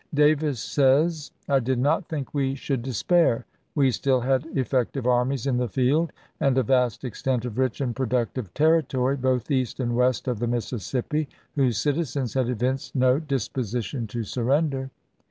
Davis says: "I did not think we should despair. We still had effective armies in the field, and a vast extent of rich and productive territory both east and west of the Mis sissippi, whose citizens had evinced no disposition to surrender.